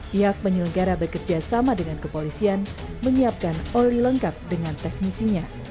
pihak penyelenggara bekerja sama dengan kepolisian menyiapkan oli lengkap dengan teknisinya